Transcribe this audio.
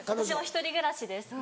１人暮らしです。